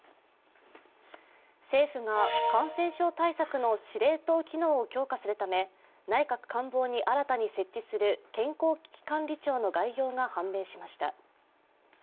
政府が感染症対策の司令塔機能を強化するため内閣官房に新たに設置する健康危機管理庁の概要が判明しました。